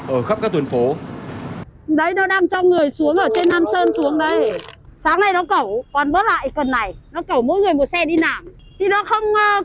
ở khắp các tuyến phố